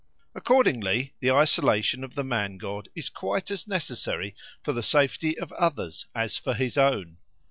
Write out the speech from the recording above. Accordingly the isolation of the man god is quite as necessary for the safety of others as for his own.